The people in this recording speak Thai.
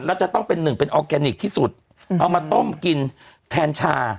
แล้วจะต้องเป็นหนึ่งเป็นออร์แกนิคที่สุดเอามาต้มกินแทนชา